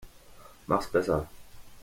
Mach's besser.